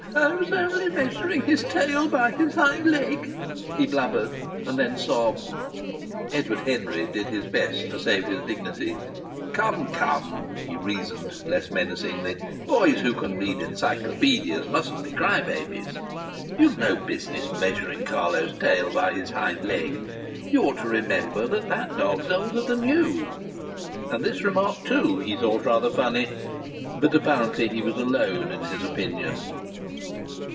"I I was only measuring his tail by his hind leg," he blubbered and then sobbed. Edward Henry did his best to save his dignity. "Come, come!" he reasoned, less menacingly. "Boys who can read Encyclopaedias mustn't be cry babies. You'd no business measuring Carlo's tail by his hind leg. You ought to remember that that dog's older than you." And this remark, too, he thought rather funny, but apparently he was alone in his opinion.